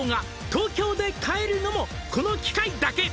「東京で買えるのもこの機会だけ」